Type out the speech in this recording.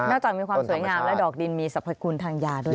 จากมีความสวยงามและดอกดินมีสรรพคุณทางยาด้วย